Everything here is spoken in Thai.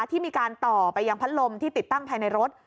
ที่มีการต่อไปยังพัดลมที่ติดตั้งภายในรถ